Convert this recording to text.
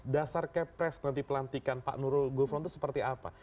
dasar kepres nanti pelantikan pak nurul gufron itu seperti apa